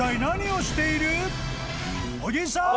［小木さん